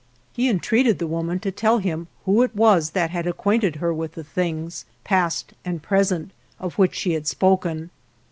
He entreated the woman to tell him who it was that had acquainted her with the things, past and present, of which she had spoken.